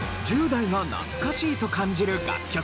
１０代が懐かしいと感じる楽曲